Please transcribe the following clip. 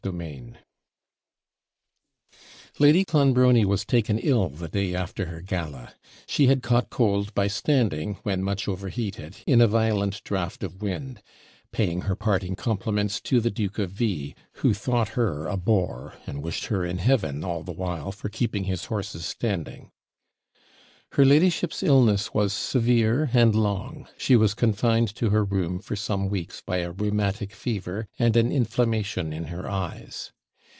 CHAPTER IV Lady Clonbrony was taken ill the day after her gala; she had caught cold by standing, when much overheated, in a violent draught of wind, paying her parting compliments to the Duke of V , who thought her a bore, and wished her in heaven all the time for keeping his horses standing. Her ladyship's illness was severe and long; she was confined to her room for some weeks by a rheumatic fever, and an inflammation in her eyes.